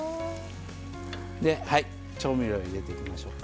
調味料を入れていきましょうか。